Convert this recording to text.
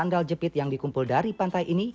di dalam kapal yang bisa dikembangkan